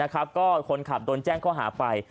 ก็คนขับโดนแจ้งข้อหาไป